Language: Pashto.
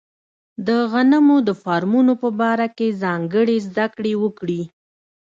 د غنمو د فارمونو په باره کې ځانګړې زده کړې وکړي.